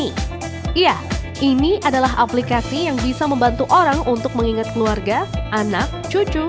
iya ini adalah aplikasi yang bisa membantu orang untuk mengingat keluarga anak cucu